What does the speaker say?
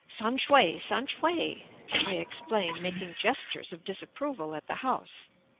"Sam shue, Sam shue," I explain, making gestures of disapproval at the house.